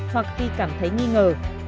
hoặc khi cảm thấy nghi ngờ